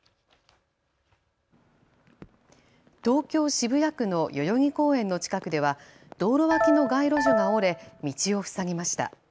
東京・渋谷区の代々木公園の近くでは道路脇の街路樹が折れ道を塞ぎました。